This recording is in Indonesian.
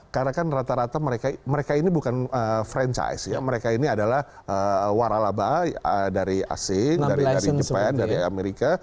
karena kan rata rata mereka ini bukan franchise mereka ini adalah waralaba dari asing dari jepang dari amerika